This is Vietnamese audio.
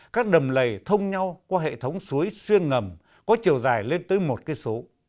các đầm lầy thông nhau qua hệ thống suối xuyên ngầm có chiều dài lên tới một km